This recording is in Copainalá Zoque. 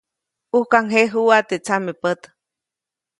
ʼUjkaŋjejuʼa teʼ tsamepät.